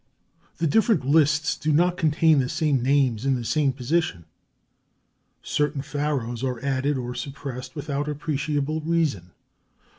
The different lists do not contain the same names in the same position; certain Pharaohs are added or suppressed without appreciable reason.